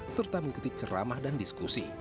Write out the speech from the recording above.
serta mengikuti ceramah dan diskusi